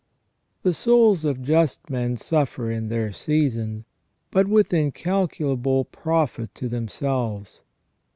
The souls of just men suffer in their season, but with in calculable profit to themselves.